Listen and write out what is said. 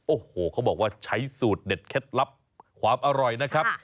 โอ้โหเขาบอกว่าใช้สูตรเด็ดเคล็ดลับความอร่อยนะครับ